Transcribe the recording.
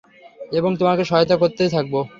এবং, তোমাকে সহায়তা করতেই থাকব!